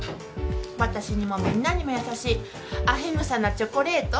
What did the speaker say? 私にもみんなにも優しいアヒムサなチョコレート？